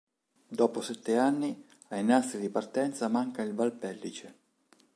Dopo sette anni, ai nastri di partenza manca il Valpellice.